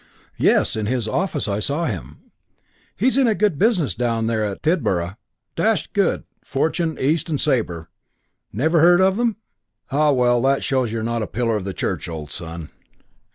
"Yes, in his office I saw him.... He's in a good business down there at Tidborough. Dashed good. 'Fortune, East and Sabre'... Never heard of them? Ah, well, that shows you're not a pillar of the Church, old son.